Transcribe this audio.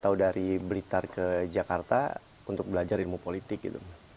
atau dari blitar ke jakarta untuk belajar ilmu politik gitu